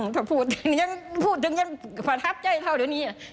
ถ้าพูดถึงยังพูดถึงยังภัทรัพย์ใจเท่าเดี๋ยวนี้